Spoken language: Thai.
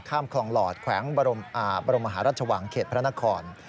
คลองหลอดแขวงบรมหารัชวังเขตพระนคร